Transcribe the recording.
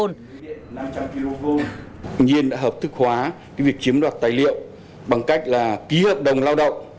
nhiên đã hợp thức hóa việc chiếm đoạt tài liệu bằng cách ký hợp đồng lao động